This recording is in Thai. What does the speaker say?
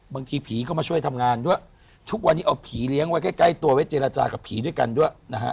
บางทีผีก็มาช่วยทำงานด้วยทุกวันนี้เอาผีเลี้ยงไว้ใกล้ใกล้ตัวไว้เจรจากับผีด้วยกันด้วยนะฮะ